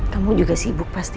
kamu juga sibuk pasti